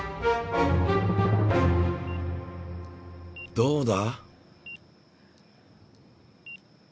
どうだ？